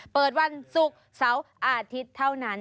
เปิดวันศุกร์เสาร์อาทิตย์เท่านั้น